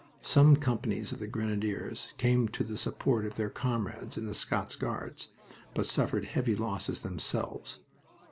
Some companies of the Grenadiers came to the support of their comrades in the Scots Guards, but suffered heavy losses themselves.